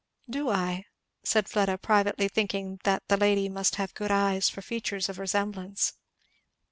"Do I?" said Fleda, privately thinking that the lady must have good eyes for features of resemblance.